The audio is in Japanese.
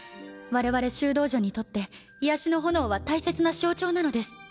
我々修道女にとって癒しの炎は大切な象徴なのです。